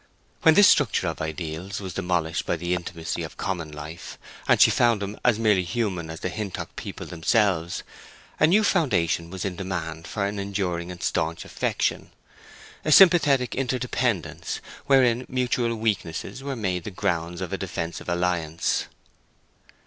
When this structure of ideals was demolished by the intimacy of common life, and she found him as merely human as the Hintock people themselves, a new foundation was in demand for an enduring and stanch affection—a sympathetic interdependence, wherein mutual weaknesses were made the grounds of a defensive alliance.